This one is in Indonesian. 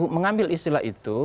mengambil istilah itu